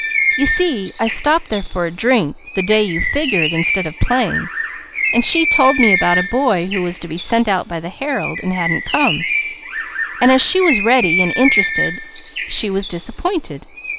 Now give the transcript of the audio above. You see I stopped there for a drink, the day you figured instead of playing, and she told me about a boy who was to be sent out by the Herald and hadn't come, and as she was ready, and interested, she was disappointed.